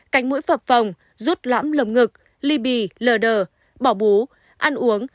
cánh mũi phập phòng rút lõm lồng ngựa